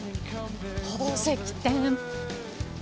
宝石店。